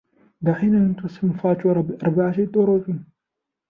دعينا نقسم الفاتورة بأربعة طرق.